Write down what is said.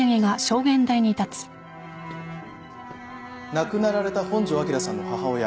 亡くなられた本庄昭さんの母親